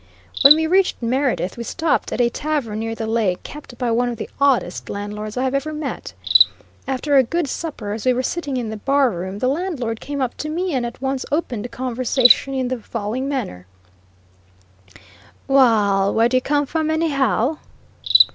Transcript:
When we reached Meredith we stopped at a tavern near the lake, kept by one of the oddest landlords I have ever met. After a good supper, as we were sitting in the barroom, the landlord came up to me and at once opened conversation in the following manner: "Waal, where do you come from, anyhow?"